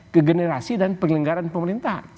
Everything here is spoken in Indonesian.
ke generasi dan penyelenggaran pemerintahan